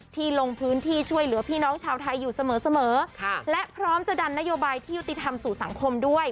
ลงพื้นที่ช่วยเหลือพี่น้องชาวไทยอยู่เสมอเสมอและพร้อมจะดันนโยบายที่ยุติธรรมสู่สังคมด้วย